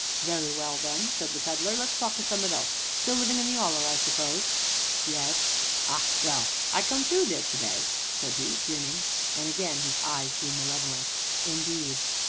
"Very well then!" said the Pedler, "let's talk o' summ'at else; still livin' in the 'Oller, I suppose?" "Yes." "Ah, well! I come through there today," said he, grinning, and again his eyes grew malevolent. "Indeed?"